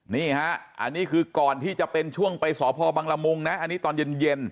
นี่ฮะอันนี้คือก่อนที่จะเป็นช่วงไปสพบังละมุงนะอันนี้ตอนเย็น